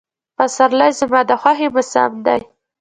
پسرلی زما د خوښې موسم دی.